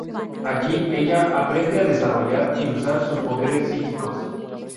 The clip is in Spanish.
Allí, ella aprende a desarrollar y usar sus poderes psíquicos.